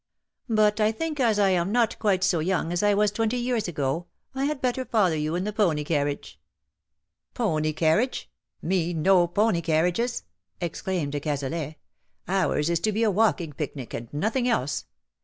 " But I think as I am not quite so young as I was twenty years ago, I had better follow you in the pony carriage/^ " Pony carriage, me no pony carriages/^ ex claimed de Cazalet. "Ours is to be a walking picnic and nothing else.